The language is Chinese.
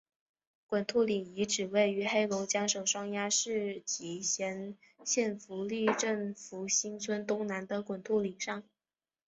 滚兔岭遗址位于黑龙江省双鸭山市集贤县福利镇福兴村东南的滚兔岭上。